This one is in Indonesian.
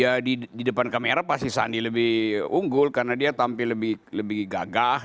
ya di depan kamera pasti sandi lebih unggul karena dia tampil lebih gagah